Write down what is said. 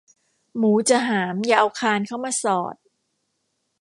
หมูจะหามอย่าเอาคานเข้ามาสอด